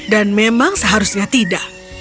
dan memang seharusnya tidak